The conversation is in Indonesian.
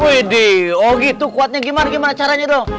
wih deh oh gitu kuatnya gimana caranya dong